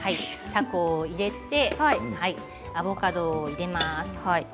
たこを入れてアボカドを入れます。